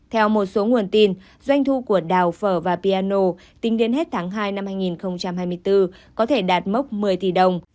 theo một số nguồn tin doanh thu của đào phở và piano tính đến hết tháng hai năm hai nghìn hai mươi bốn có thể đạt mốc một mươi tỷ đồng